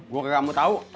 gue gak mau tau